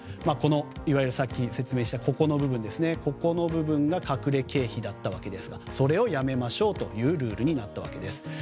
いわゆる先ほど説明したここの部分が隠れ経費だったわけですがそれをやめましょうというルールになったわけです。